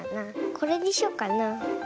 これにしよっかな。